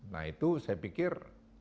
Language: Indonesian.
nah itu saya pikir